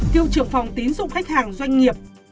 cựu trưởng phòng tín dụng khách hàng doanh nghiệp